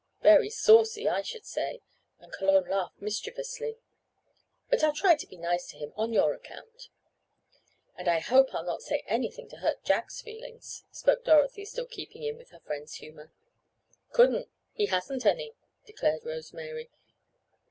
"Very saucy, I should say," and Cologne laughed mischievously. "But I'll try to be nice to him on your account." "And I hope I'll not say anything to hurt Jack's feelings," spoke Dorothy, still keeping in with her friend's humor. "Couldn't! He hasn't any," declared Rose Mary.